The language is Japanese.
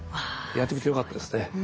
やってみてよかったですね。